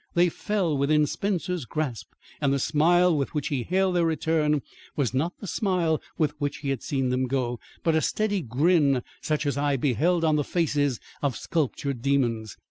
They fell within Spencer's grasp, and the smile with which he hailed their return was not the smile with which he had seen them go, but a steady grin such as I had beheld on the faces of sculptured demons.